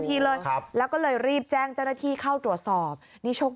ซื้อรองเท้าคอมแบตไงรองเท้าทหาร